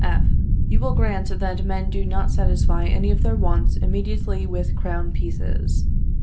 F. You will grant that men do not satisfy any of their wants immediately with crown pieces.